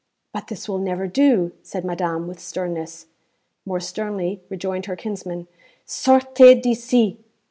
'But this will never do,' said madame with sternness. More sternly rejoined her kinsman, 'Sortez d'ici!'